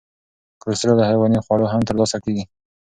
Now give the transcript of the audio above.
کلسترول له حیواني خوړو هم تر لاسه کېږي.